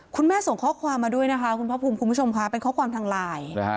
คุณแม่ส่งข้อความมาด้วยนะคะคุณพระภูมิคุณผู้ชมค่ะเป็นข้อความทางไลน์